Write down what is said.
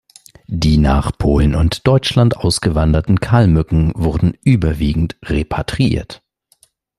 Die nach Polen und Deutschland ausgewanderten Kalmücken wurden überwiegend repatriiert.